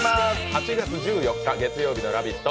８月１４日月曜日の「ラヴィット！」